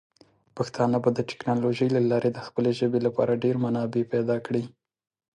پښتانه به د ټیکنالوجۍ له لارې د خپلې ژبې لپاره ډیر منابع پیدا کړي.